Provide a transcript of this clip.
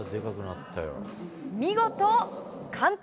見事、完登。